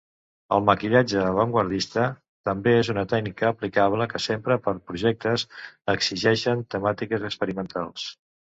El maquillatge avantguardista també és una tècnica aplicable que s'empra per projectes exigeixen temàtiques experimentals.